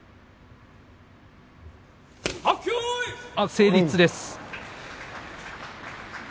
成立です。